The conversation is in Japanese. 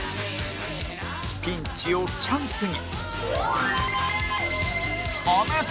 ピンチをチャンスに